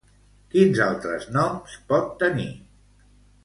Quins altres noms pot tenir?